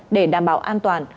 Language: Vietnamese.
để đảm bảo an toàn